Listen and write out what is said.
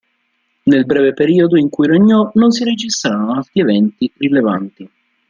Nel breve periodo in cui regnò non si registrarono altri eventi rilevanti.